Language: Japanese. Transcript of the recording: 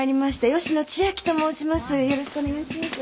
よろしくお願いします。